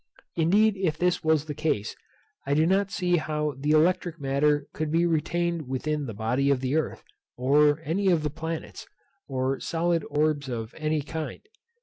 Indeed if this was the case, I do not see how the electric matter could be retained within the body of the earth, or any of the planets, or solid orbs of any kind.